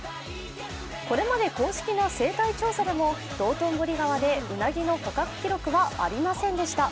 これまで公式な生態調査でも道頓堀川でうなぎの捕獲記録はありませんでした。